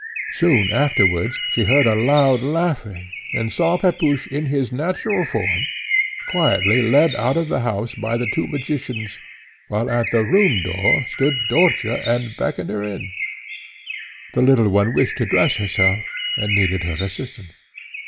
Soon afterwards she heard a loud laughing, and saw Pepusch in his natural form, quietly led out of the house by the two magicians, while at the room door stood Dörtje and beckoned her in. The little one wished to dress herself, and needed her assistance.